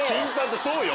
そうよ！